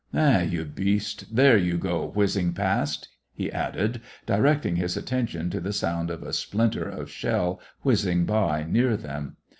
Eh, you beast, there you go whizzing past !" he added, directing his attention to the sound of a splinter of shell whizzing by near them.